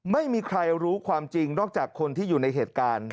ไม่มีใครรู้ความจริงนอกจากคนที่อยู่ในเหตุการณ์